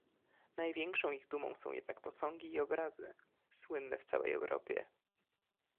"Największą ich dumą są jednak posągi i obrazy, słynne w całej Europie."